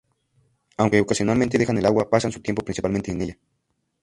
Aunque ocasionalmente dejan el agua, pasan su tiempo principalmente en ella.